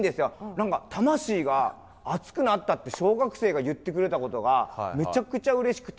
何か「魂が熱くなった」って小学生が言ってくれたことがめちゃくちゃうれしくて。